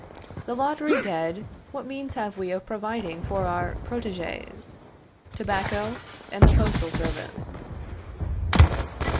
The lottery dead, what means have we of providing for our proteges? tobacco, and the postal service.